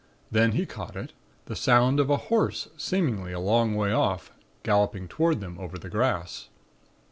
Then he caught it the sound of a horse, seemingly a long way off, galloping toward them over the grass.